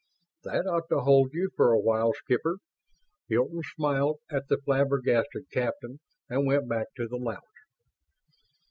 "That ought to hold you for a while, Skipper." Hilton smiled at the flabbergasted captain and went back to the lounge.